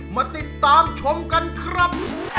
มาติดตามชมกันครับ